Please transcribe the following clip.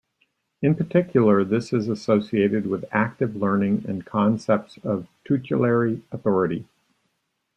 In particular this is associated with active learning and concepts of tutelary authority.